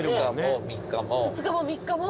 ２日も３日も。